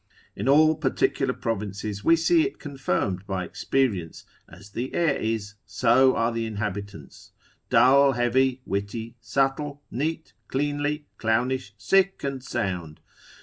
In all particular provinces we see it confirmed by experience, as the air is, so are the inhabitants, dull, heavy, witty, subtle, neat, cleanly, clownish, sick, and sound.